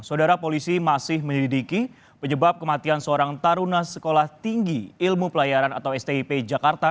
saudara polisi masih menyelidiki penyebab kematian seorang taruna sekolah tinggi ilmu pelayaran atau stip jakarta